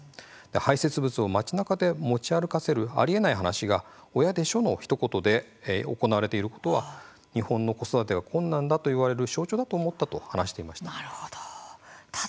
排せつ物を街なかで持ち歩かせるありえない話が「親でしょ」のひと言で行われていることは日本の子育てが困難だといわれる象徴だと思ったと話していました。